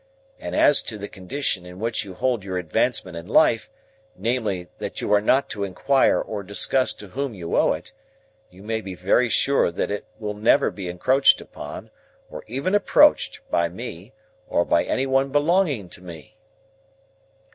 And as to the condition on which you hold your advancement in life,—namely, that you are not to inquire or discuss to whom you owe it,—you may be very sure that it will never be encroached upon, or even approached, by me, or by any one belonging to me."